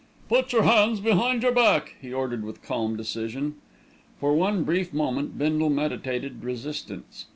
"Put your hands behind your back," he ordered with calm decision. For one brief moment Bindle meditated resistance.